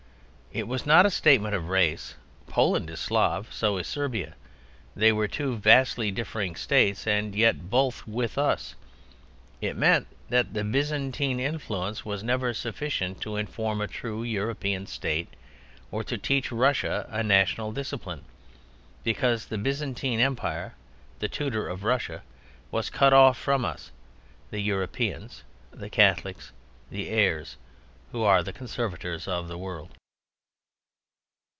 It was not a statement of race. Poland is Slav, so is Serbia: they were two vastly differing states and yet both with us. It meant that the Byzantine influence was never sufficient to inform a true European state or to teach Russia a national discipline; because the Byzantine Empire, the tutor of Russia, was cut off from us, the Europeans, the Catholics, the heirs, who are the conservators of the world.